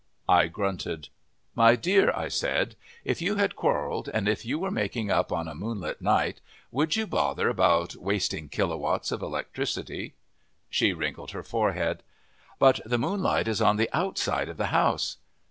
I grunted. "My dear," I said, "if you had quarreled and if you were making up on a moonlight night, would you bother about wasting kilowatts of electricity?" She wrinkled her forehead. "But the moonlight is on the outside of the house."